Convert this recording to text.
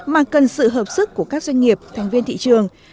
mà cần sự hợp sức của các doanh nghiệp thành viên thị trường